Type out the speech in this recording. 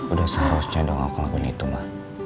udah seharusnya dong aku ngelakuin itu ma